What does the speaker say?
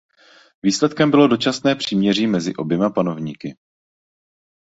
Výsledkem bylo dočasné příměří mezi oběma panovníky.